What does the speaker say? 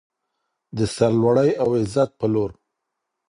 د سرلوړۍ او عزت په لور.